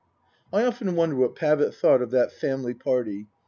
I often wonder what Pavitt thought of that family party.